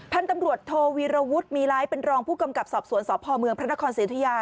ท่านตำรวจโทวีรวุฒิ์มีไลน์เป็นรองผู้กำกับสอบสวนสอบภอมเมืองพระนครศิริทธุญา